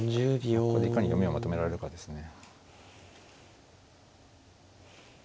ここでいかに読みをまとめられるかですね。